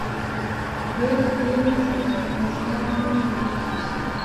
بې له دې نظم، اسناد نه موندل کېږي.